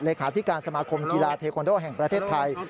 ที่การสมาคมกีฬาเทคอนโดแห่งประเทศไทย